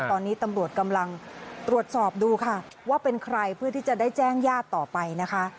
ตอนนี้ตำรวจกำลังตรวจสอบดูค่ะว่าเป็นใครเพื่อที่จะได้แจ้งญาติต่อไปนะคะ